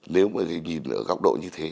nếu mà nhìn ở góc độ như thế